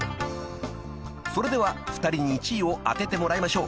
［それでは２人に１位を当ててもらいましょう］